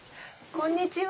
こんにちは。